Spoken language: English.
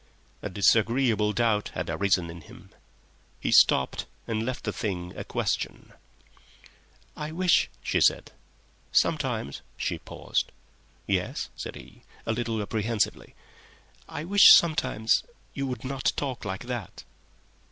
A disagreeable doubt had arisen in him. He stopped and left the thing a question. "I wish," she said, "sometimes—" She paused. "Yes?" he said, a little apprehensively. "I wish sometimes—you would not talk like that."